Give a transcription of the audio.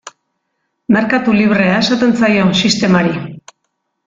Merkatu librea esaten zaio sistemari.